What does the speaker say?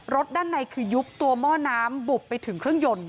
ด้านในคือยุบตัวหม้อน้ำบุบไปถึงเครื่องยนต์